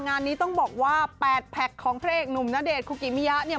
งานนี้ต้องบอกว่า๘แพ็คของพระเอกหนุ่มณเดชนคุกิมิยะเนี่ย